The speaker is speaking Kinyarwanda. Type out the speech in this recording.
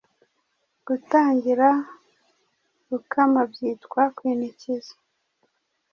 Gutangira Gukama byitwa Kwinikiza